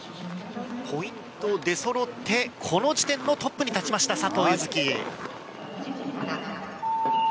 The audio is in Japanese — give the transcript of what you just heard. ポイント出そろって、この時点のトップに立ちました、佐藤柚月。